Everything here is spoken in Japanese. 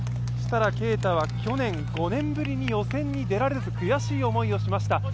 設楽啓太は去年５年ぶりに予選が出られず悔しい思いをしました。